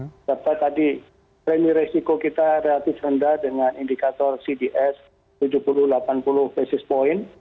serta tadi premi risiko kita relatif rendah dengan indikator cds tujuh puluh delapan puluh basis point